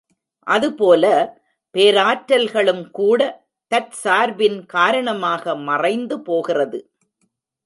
அது போல, பேராற்றல்களும் கூட, தற்சார்பின் காரணமாக மறைந்து போகிறது.